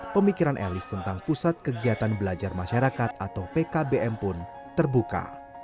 pemikiran elis tentang pusat kegiatan belajar masyarakat atau pkbm pun terbuka